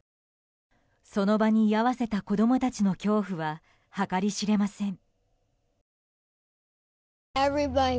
その場に居合わせた子供たちの恐怖は計り知れません。